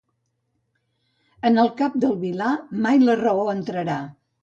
En el cap del vilà, mai la raó entrarà.